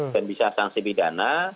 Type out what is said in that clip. dan bisa sanksi pidana